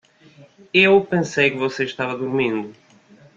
Eu pensei que você estava dormindo.